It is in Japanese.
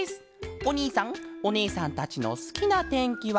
おにいさんおねえさんたちのすきなてんきはなんですか？」。